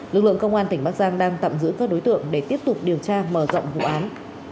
lực lượng công an tỉnh bắc giang đang tạm giữ các đối tượng để tiếp tục điều tra mở rộng vụ án